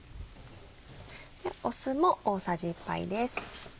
酢も大さじ１杯です。